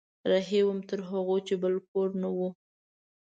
رهي وم تر هغو چې بل کور نه و